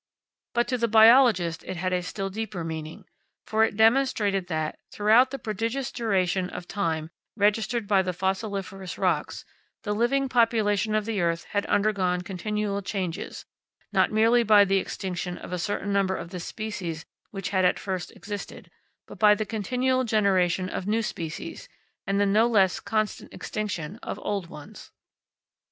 But to the biologist it had a still deeper meaning, for it demonstrated that, throughout the prodigious duration of time registered by the fossiliferous rocks, the living population of the earth had undergone continual changes, not merely by the extinction of a certain number of the species which had at first existed, but by the continual generation of new species, and the no less constant extinction of old ones.